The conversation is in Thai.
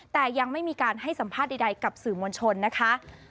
แต่ยังไม่มีการให้สัมภาษณ์ใดกับสื่อมวลชนนะคะ